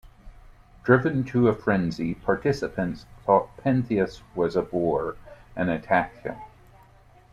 Driven to a frenzy the participants thought Pentheus was a boar and attacked him.